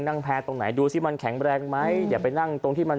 แพร่ตรงไหนดูสิมันแข็งแรงไหมอย่าไปนั่งตรงที่มัน